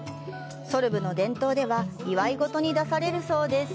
ソルブの伝統では祝い事に出されるそうです。